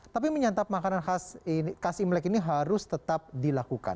tapi menyantap makanan khas imlek ini harus tetap dilakukan